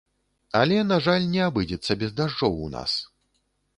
Але, на жаль, не абыдзецца без дажджоў у нас.